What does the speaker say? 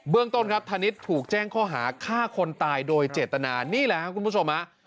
ต้นครับธนิษฐ์ถูกแจ้งข้อหาฆ่าคนตายโดยเจตนานี่แหละครับคุณผู้ชมฮะ